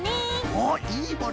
おっいいもの？